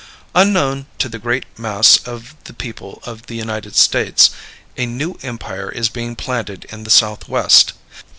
Unknown to the great mass of the people of the United States, a new empire is being planted in the Southwest.